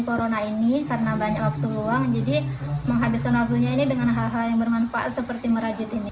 karena banyak waktu luang jadi menghabiskan waktunya ini dengan hal hal yang bermanfaat seperti merajut ini